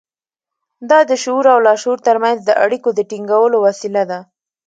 دا د شعور او لاشعور ترمنځ د اړيکو د ټينګولو وسيله ده.